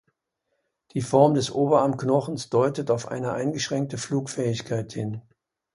Die Form des Oberarmknochens deutet auf eine eingeschränkte Flugfähigkeit hin.